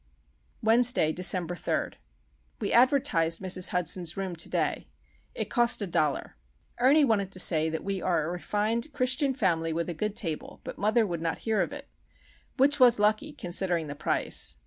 Wednesday, December 3. We advertised Mrs. Hudson's room to day. It cost a dollar. Ernie wanted to say that we are a refined Christian family with a good table, but mother would not hear of it;—which was lucky, considering the price!